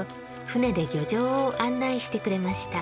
船で漁場を案内してくれました。